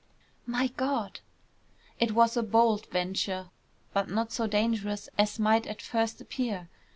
"My God!" "It was a bold venture, but not so dangerous as might at first appear.